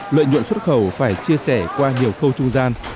lợi nhuận xuất khẩu phải chia sẻ qua nhiều khâu trung gian